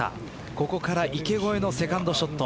ここから池越えのセカンドショット。